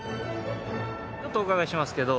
ちょっとお伺いしますけど、